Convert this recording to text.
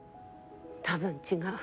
多分違う。